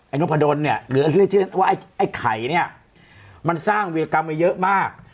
ไอ้น้องพะดนเนี้ยหรือว่าไอ้ไข่เนี้ยมันสร้างวิรกรรมไว้เยอะมาก